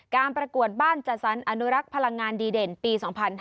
การประกวดบ้านจัดสรรอนุรักษ์พลังงานดีเด่นปี๒๕๕๙